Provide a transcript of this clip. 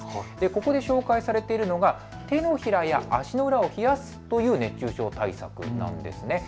ここで紹介されているのが手のひらや足の裏を冷やすという熱中症対策なんです。